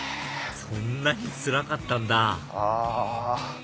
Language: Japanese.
そんなにつらかったんだあ。